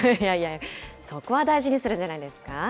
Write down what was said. そこは大事にするんじゃないですか。